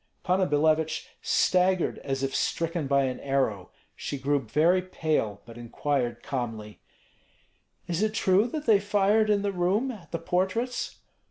Panna Billevich staggered as if stricken by an arrow. She grew very pale, but inquired calmly, "Is it true that they fired in the room, at the portraits?"